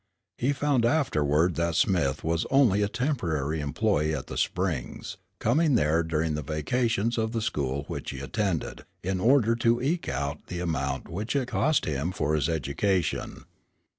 He found afterward that Smith was only a temporary employee at the Springs, coming there during the vacations of the school which he attended, in order to eke out the amount which it cost him for his education.